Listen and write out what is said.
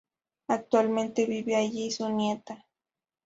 Actualmente, vive allí su nieta.